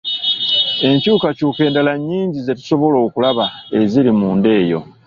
Enkyukakyuka endala nnyingi ze tutasobola kulaba eziri munda eyo.